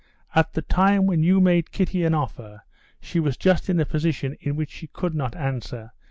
"At the time when you made Kitty an offer she was just in a position in which she could not answer.